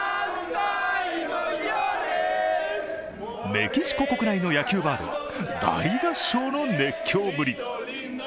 メキシコ国内の野球バーでは大合唱の熱狂ぶり。